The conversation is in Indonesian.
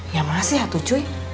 ya masih hatu cuy